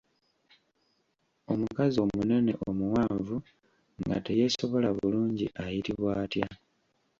Omukazi omunene omuwanvu nga teyeesobola bulungi ayitibwa atya?